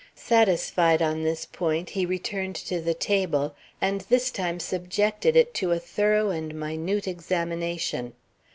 Satisfied on this point, he returned to the table, and this time subjected it to a thorough and minute examination.